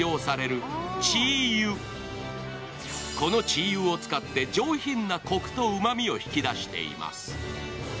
鶏油を使って上品なこくとうまみを引き出しています。